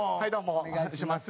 お願いします。